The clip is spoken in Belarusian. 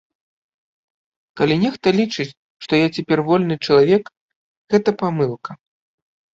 Калі нехта лічыць, што я цяпер вольны чалавек, гэта памылка.